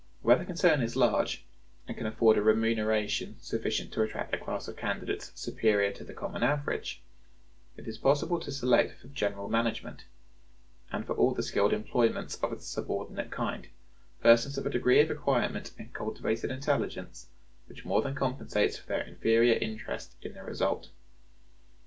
Where the concern is large, and can afford a remuneration sufficient to attract a class of candidates superior to the common average, it is possible to select for the general management, and for all the skilled employments of a subordinate kind, persons of a degree of acquirement and cultivated intelligence which more than compensates for their inferior interest in the result.